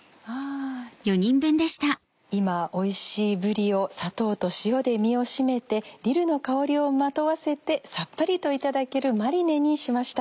今おいしいぶりを砂糖と塩で身を締めてディルの香りをまとわせてさっぱりといただけるマリネにしました。